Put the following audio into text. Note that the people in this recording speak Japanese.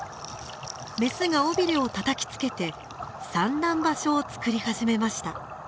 メスが尾びれをたたきつけて産卵場所を作り始めました。